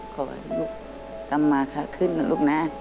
ขอให้ลูกทำมาค่ะขึ้นนะลูกนะ